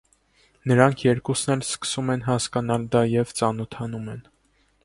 Նրանք երկուսն էլ սկսում են հասկանալ դա և ծանոթանում են։